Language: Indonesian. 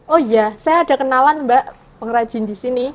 oh iya saya ada kenalan mbak pengrajin di sini